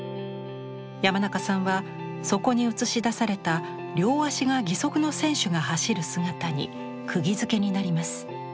山中さんはそこに映し出された両足が義足の選手が走る姿にくぎづけになります。